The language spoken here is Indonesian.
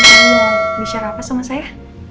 tadi kamu bicara apa sama saya